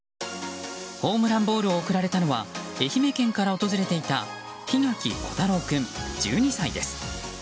ホームランボールを贈られたのは愛媛県から訪れていた檜垣虎太郎君、１２歳です。